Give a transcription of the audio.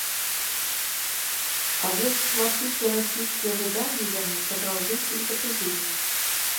А вось шматлікія расійскія выданні яму сапраўды сімпатызуюць.